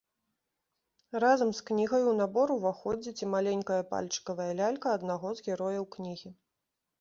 Разам з кнігай у набор уваходзіць і маленькая пальчыкавая лялька аднаго з герояў кнігі.